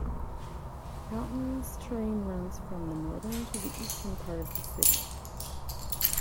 Mountainous terrain runs from the northern to the eastern part of the city.